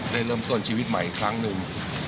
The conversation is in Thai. ได้เริ่มต้นชีวิตใหม่อีกครั้งหนึ่ง